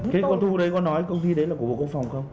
thế cô thu đấy có nói công ty đấy là của bộ quốc phòng không